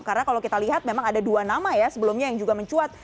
karena kalau kita lihat memang ada dua nama ya sebelumnya yang juga mencuat